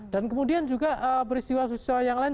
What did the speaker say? dan kemudian juga peristiwa peristiwa yang lain